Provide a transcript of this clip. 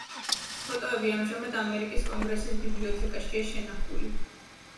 ფოტოები ამჟამად ამერიკის კონგრესის ბიბლიოთეკაშია შენახული.